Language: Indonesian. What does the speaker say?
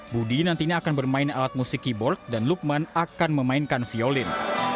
budi nantinya akan bermain alat musik keyboard dan lukman akan memainkan violin